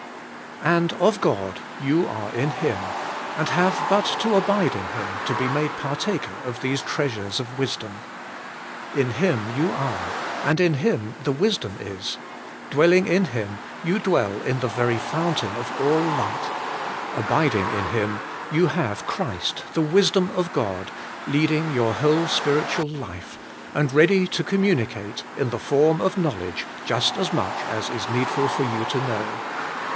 And of God you are in Hiw.^ and have but to abide in Him, to be made partaker of these treasures of AS YOUR WISDOM. 59 wisdom. In Him you are, and in Him the wisdom is; dwelling in Him, you dwell in the very fountain of all light; abiding in Him, you have Christ the wisdom of God leading your whole spiritual life, and ready to communicate, in the form of knowledge, just as much as is needful for you to know.